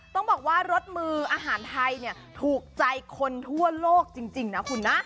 ต้องบอกว่ารสมืออาหารไทยเนี่ยถูกใจคนทั่วโลกจริงนะคุณนะ